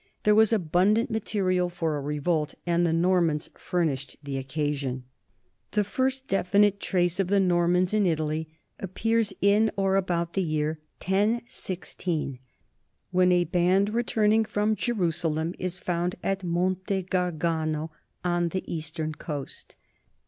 There was abundant material for a revolt, and the Normans furnished the occasion. The first definite trace of the Normans in Italy ap pears in or about the year 1016, when a band returning from Jerusalem is found at Monte Gargano on the east ern coast.